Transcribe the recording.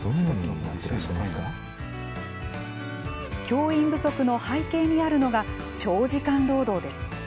教員不足の背景にあるのが長時間労働です。